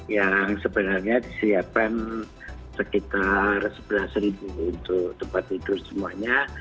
yang sebenarnya disiapkan sekitar rp sebelas untuk tempat tidur semuanya